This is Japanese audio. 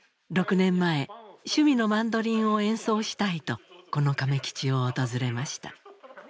６年前趣味のマンドリンを演奏したいとこの亀吉を訪れました。